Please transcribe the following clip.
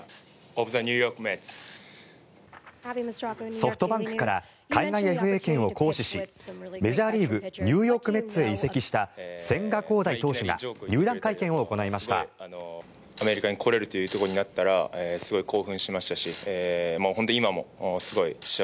ソフトバンクから海外ＦＡ権を行使しメジャーリーグニューヨーク・メッツへ移籍した千賀滉大投手が入団会見を行いました。